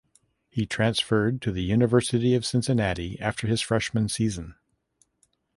He transferred to the University of Cincinnati after his freshman season.